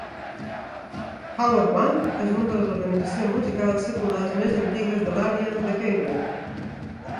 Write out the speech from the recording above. Haworth Band és una de les organitzacions musicals seculars més antigues de l'àrea de Keighley.